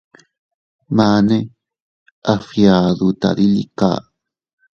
Mane a fgiadu tadilika.